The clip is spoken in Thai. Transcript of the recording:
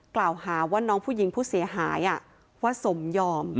กล่าวหาว่าน้องผู้หญิงผู้เสียหายว่าสมยอม